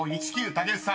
竹内さん］